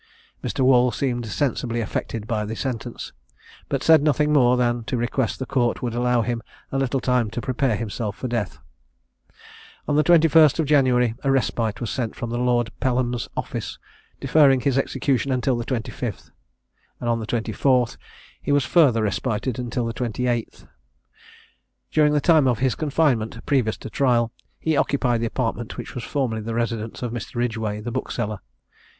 Mr. Wall seemed sensibly affected by the sentence, but said nothing more than to request the court would allow him a little time to prepare himself for death. On the 21st of January, a respite was sent from Lord Pelham's office, deferring his execution until the 25th, and on the 24th, he was further respited till the 28th. During the time of his confinement, previous to trial, he occupied the apartment which was formerly the residence of Mr. Ridgway, the bookseller.